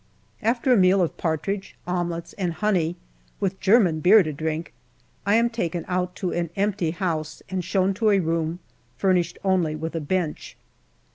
After a meal of partridge, omelettes, and honey, with German beer to drink, I am taken out to an empty house, and shown to a room furnished only with a bench.